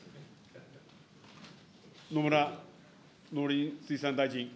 野村農林水産大臣。